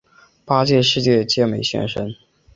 八届世界健美先生。